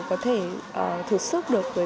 có thể thực sức được với